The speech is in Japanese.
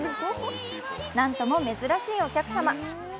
なんとも珍しいお客様。